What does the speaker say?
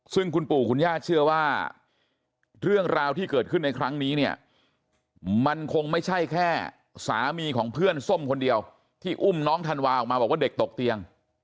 ซึ่งคุณปู่คุณย่าเชื่อว่าเรื่องราวที่เกิดขึ้นในครั้งนี้เนี่ยมันคงไม่ใช่แค่สามีของเพื่อนส้มคนเดียวที่อุ้มน้องธันวาออกมาบอกว่าเด็กตกเตียง